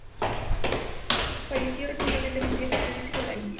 Falleció repentinamente en un viaje periodístico a la India.